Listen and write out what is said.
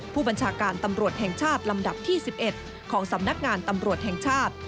ผู้บัญชาการตำรวจแห่งชาติลำดับที่๑๑ของสำนักงานตำรวจแห่งชาติ